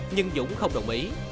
nhưng dũng không đồng ý